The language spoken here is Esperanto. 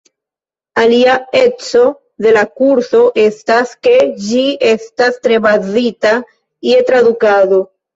Alia eco de la kurso estas, ke ĝi estas tre bazita je tradukado.